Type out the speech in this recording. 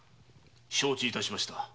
承知しました。